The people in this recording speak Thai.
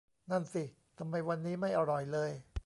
นั่นสิ ทำไมวันนี้ไม่อร่อยเลย